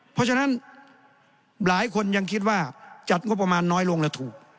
เพราะฉะนั้นหลายคนยังคิดว่าจัดงบประมาณน้อยลงและถูก